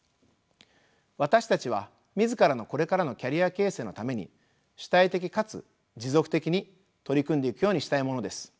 私たちは自らのこれからのキャリア形成のために主体的かつ持続的に取り組んでいくようにしたいものです。